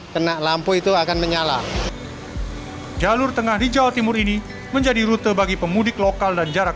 kena lampu itu akan menyala jalur tengah di jawa timur ini menjadi rute bagi pemudik lokal dan jarak